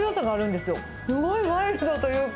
すごいワイルドというか。